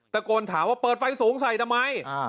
ตะโกนถามว่าเปิดไฟสูงใส่ทำไม